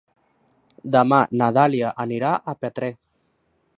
Demà na Dàlia anirà a Petrer.